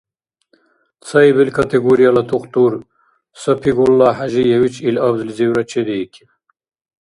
Цаибил категорияла тухтур Сапигуллагь Хӏяжиевич ил абзлизивра чедиикиб.